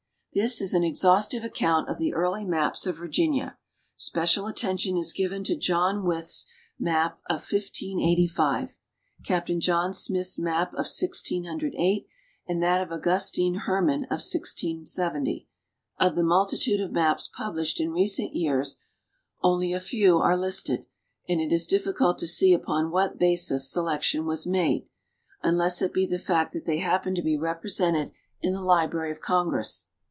This is an exhaustive account of the early maps of Virginia. Special attention is given to John Wyth's map of 1585, Capt. John Smith's map of 1008, and that of Augustine Herman of 1670. Of the multitude of maps published in recent years only a few are listed, and it is difficult to see upon what basis selection was made, unless it be the fact that they happen to be represented in the Library of Congress.